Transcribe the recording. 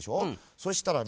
そしたらね